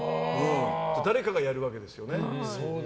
誰かがやるわけですよね。